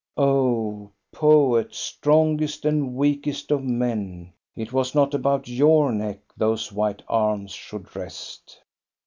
O poet, strongest and weakest of men, it was not about your neck those white arms should rest.